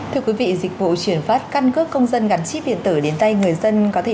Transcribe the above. thưa quý vị dịch vụ chuyển phát căn cước công dân gắn chip điện tử đến tay người dân có thể